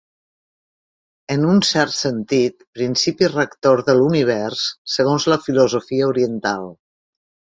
En un cert sentit, principi rector de l'univers, segons la filosofia oriental.